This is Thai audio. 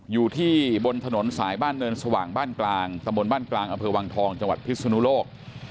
อยู่ที่บนถนนสายบ้านเนินสว่างบ้านกลางตบกลางอวงธองจพฤษณุโรค